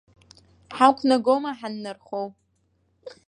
Ҳақәнагома, ҳаннархоу?